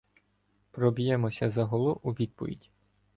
— Проб’ємося! — загуло у відповідь.